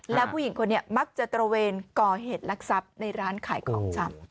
แล้วผู้หญิงคนนี้มักจะตระเวนก่อเหตุลักษัพในร้านขายของชำ